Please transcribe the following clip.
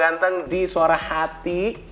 ganteng di suara hati